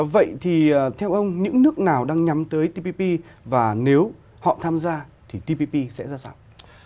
vậy thì theo ông những nước nào đang nhắm tới tpp và nếu họ tham gia thì tpp sẽ ra sao